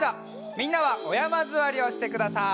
みんなはおやまずわりをしてください。